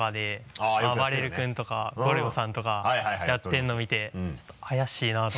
あばれる君とかゴルゴさんとかやってるの見てちょっと怪しいなと。